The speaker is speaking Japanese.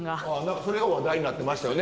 何かそれが話題になってましたよね。